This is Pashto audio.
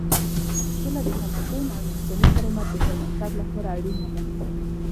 سوله د تمدن او انساني کرامت د پرمختګ لپاره اړینه ده.